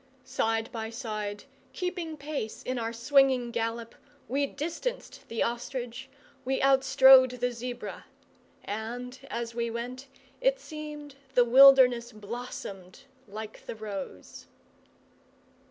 Side by side, keeping pace in our swinging gallop, we distanced the ostrich, we outstrode the zebra; and, as we went, it seemed the wilderness blossomed like the rose.